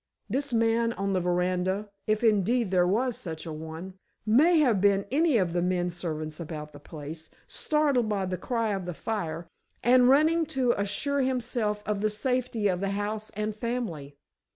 This man on the veranda—if, indeed, there was such a one, may have been any of the men servants about the place, startled by the cry of fire, and running to assure himself of the safety of the house and family.